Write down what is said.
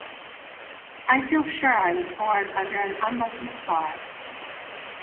I feel sure I was born under an unlucky star.